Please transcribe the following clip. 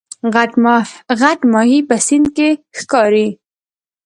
غټ ماهی په سیند کې ښکاري